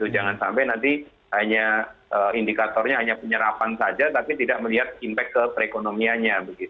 jangan sampai nanti hanya indikatornya hanya penyerapan saja tapi tidak melihat impact ke perekonomianya